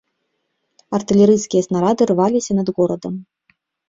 Артылерыйскія снарады рваліся над горадам.